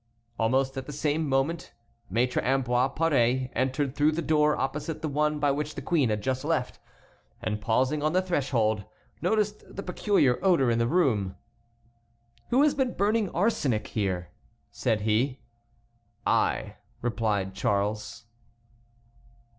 Almost at the same instant Maître Ambroise Paré entered through the door opposite the one by which the queen had just left, and, pausing on the threshold, noticed the peculiar odor in the room. "Who has been burning arsenic here?" said he. "I," replied Charles.